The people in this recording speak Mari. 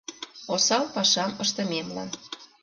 Осал пашам ыштымемлан.